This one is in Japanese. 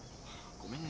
ごめんね。